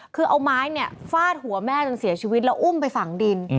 คือเอาไม้เนี่ยฟาดหัวแม่จนเสียชีวิตแล้วอุ้มไปฝังดิน